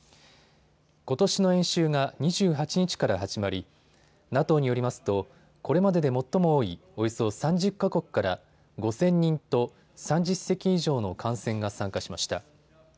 ことしの演習が２８日から始まりＮＡＴＯによりますとこれまでで最も多いおよそ３０か国から５０００人と３０隻以上の艦船が参加しました。